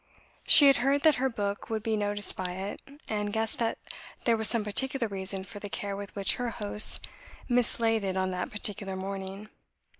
She had heard that her book would be noticed by it, and guessed that there was some particular reason for the care with which her hosts mislaid it on that particular morning.